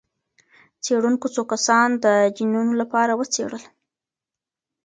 څېړونکو څو کسان د جینونو لپاره وڅېړل.